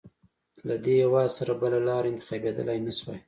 له دې هېواد سره بله لاره انتخابېدلای نه شوای.